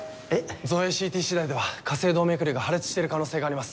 造影ＣＴしだいでは仮性動脈瘤が破裂してる可能性があります。